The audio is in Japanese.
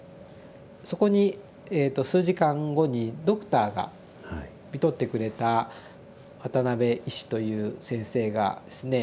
そこにえと数時間後にドクターがみとってくれたワタナベ医師という先生がですね